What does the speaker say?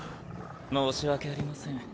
申し訳ありません